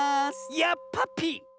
やっぱぴ！